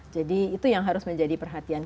jadi itu yang harus menjadi perhatian kita